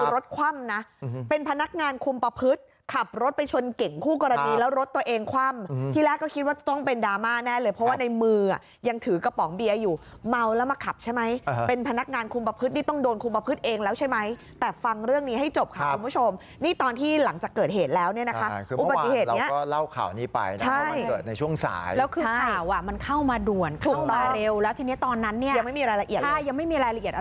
รถคว่ำนะเป็นพนักงานคุมประพฤติขับรถไปชนเก่งคู่กรณีแล้วรถตัวเองคว่ำที่แล้วก็คิดว่าต้องเป็นดราม่าแน่เลยเพราะว่าในมือยังถือกระป๋องเบียอยู่เมาแล้วมาขับใช่ไหมเป็นพนักงานคุมประพฤติต้องโดนคุมประพฤติเองแล้วใช่ไหมแต่ฟังเรื่องนี้ให้จบค่ะคุณผู้ชมนี่ตอนที่หลังจากเกิดเหตุแล้วเนี่ย